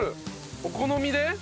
お好みで？